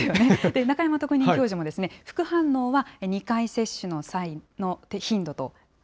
中山特任教授も、副反応は２回接種の際の頻度と。